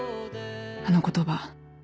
あの言葉